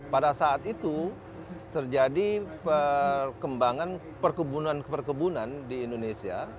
pada saat itu terjadi perkembangan perkebunan perkebunan di indonesia